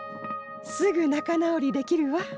すぐ仲直りできるわ。